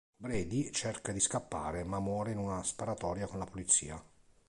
Brady cerca di scappare, ma muore in una sparatoria con la polizia.